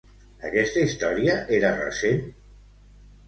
Aquesta història era recent?